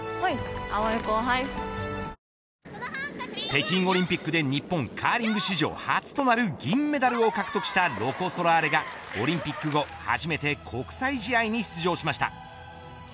北京オリンピックで日本カーリング史上初となる銀メダルを獲得したロコ・ソラーレがオリンピック後初めて国際試合に出場しました。